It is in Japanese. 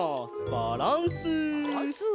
バランス！